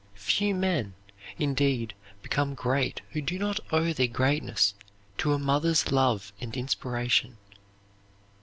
Few men, indeed, become great who do not owe their greatness to a mother's love and inspiration.